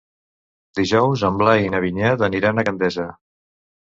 Dijous en Blai i na Vinyet aniran a Gandesa.